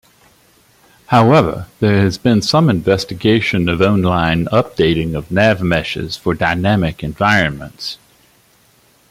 However, there has been some investigation of online updating of navmeshes for dynamic environments.